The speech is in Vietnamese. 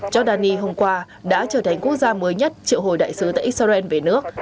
giordani hôm qua đã trở thành quốc gia mới nhất triệu hồi đại sứ tại israel về nước